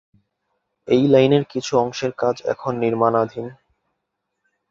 এই লাইনের কিছু অংশের কাজ এখন নির্মাণাধীন।